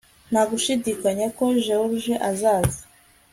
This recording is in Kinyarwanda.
Nta gushidikanya ko George azaza